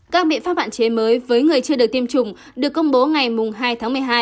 các biện pháp hạn chế mới với người chưa được tiêm chủng được công bố ngày hai tháng một mươi hai